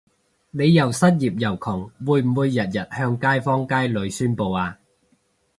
你又失業又窮會唔會日日向街坊街里宣佈吖？